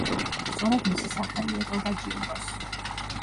სწორედ მისი სახელი ეწოდა ჯილდოს.